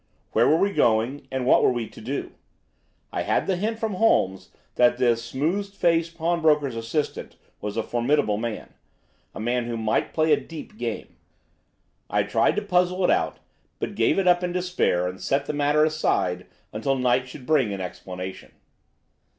Where were we going, and what were we to do? I had the hint from Holmes that this smooth faced pawnbroker's assistant was a formidable man—a man who might play a deep game. I tried to puzzle it out, but gave it up in despair and set the matter aside until night should bring an explanation.